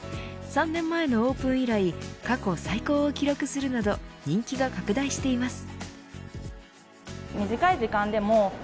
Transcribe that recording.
３年前のオープン以来過去最高を記録するなど人気が拡大しています。